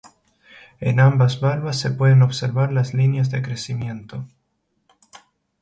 En ambas valvas se pueden observar las líneas de crecimiento.